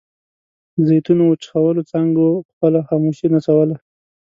د زیتونو وچخولو څانګو خپله خاموشي نڅوله.